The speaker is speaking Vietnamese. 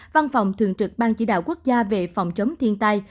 văn phòng thường trực ban chỉ đạo quốc gia về phòng chống thiên tai